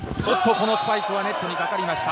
このスパイクはネットにかかりました。